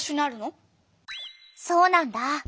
そうなんだ。